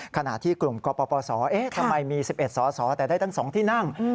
ขณะที่กลุ่มกปศทำไมมี๑๑สอสอแต่ได้ตั้ง๒ที่นั่ง